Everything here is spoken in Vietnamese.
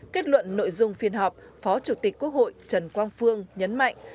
kết luận nội dung phiên họp phó chủ tịch quốc hội trần quang phương nhấn mạnh